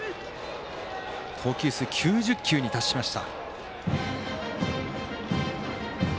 投球数、９０球に達しました。